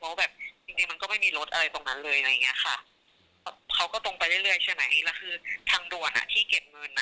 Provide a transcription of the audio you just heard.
เพราะว่าแบบจริงมันก็ไม่มีรถอะไรตรงนั้นเลยอะไรอย่างนี้ค่ะเขาก็ตรงไปเรื่อยใช่ไหม